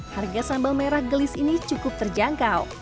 harga sambal merah gelis ini cukup terjangkau